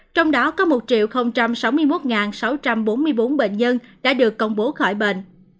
trong đó có một sáu mươi một sáu trăm bốn mươi bốn bệnh nhân đã được công bố khỏi bệnh